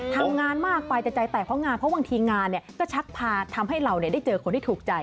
ทำงานมากไปแต่ใจแตกเพราะงานเพราะบางทีงานก็ชักพาทำให้เราได้เจอคนที่ถูกใจ